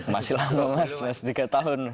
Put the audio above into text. masih lama mas tiga tahun